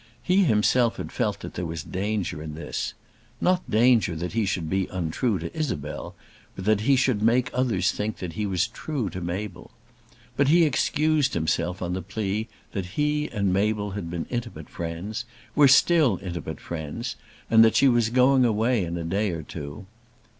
He himself had felt that there was danger in this, not danger that he should be untrue to Isabel, but that he should make others think that he was true to Mabel. But he excused himself on the plea that he and Mabel had been intimate friends, were still intimate friends, and that she was going away in a day or two.